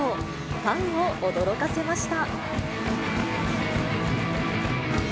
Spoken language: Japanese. ファンを驚かせました。